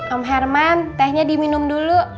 om herman tehnya diminum dulu